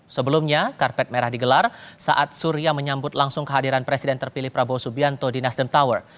sebelumnya karpet merah digelar saat surya menyambut langsung kehadiran presiden terpilih prabowo subianto di nasdem tower